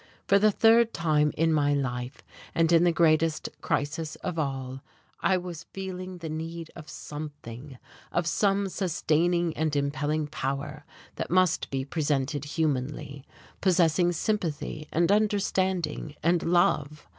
For the third time in my life, and in the greatest crisis of all, I was feeling the need of Something, of some sustaining and impelling Power that must be presented humanly, possessing sympathy and understanding and love....